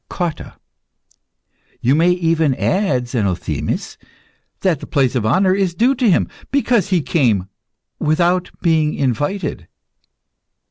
COTTA. You may even add, Zenothemis, that the place of honour is due to him, because he came without being invited.